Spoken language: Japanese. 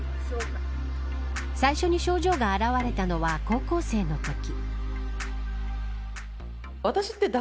最初に症状が現れたのは高校生のとき。